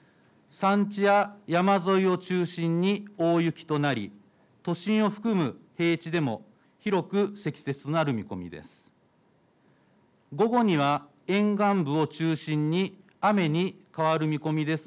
山地や山沿いを中心に大雪となり都心を含む平地でも広く積雪となる見込みです。